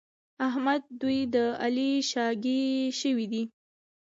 احمد دوی د علي شاګی شوي دي.